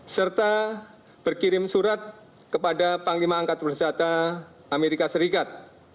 serta berkirim surat kepada panglima angkatan bersenjata amerika serikat